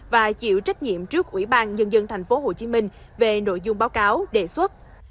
và chịu trách nhiệm trước ủy ban nhân dân tp hcm về nội dung báo cáo đề xuất